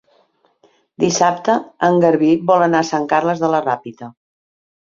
Dissabte en Garbí vol anar a Sant Carles de la Ràpita.